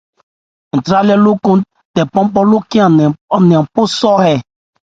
Ntrályɛ́ lókɔn tɛ pɔ́pɔ́ lókhɛ́n an nɛ́n pɔ sɔ́ a.